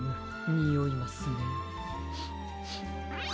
においますね！